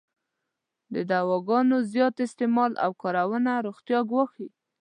د دواګانو زیات استعمال او کارونه روغتیا ګواښی.